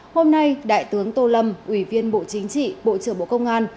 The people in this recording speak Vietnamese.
hôm nay đại tướng tô lâm ủy viên bộ chính trị bộ trưởng bộ công an